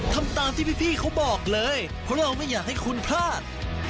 ทำตามที่พี่เขาบอกเลยเพราะเราไม่อยากให้คุณพลาด